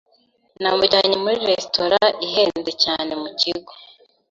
Namujyanye muri resitora ihenze cyane mu kigo.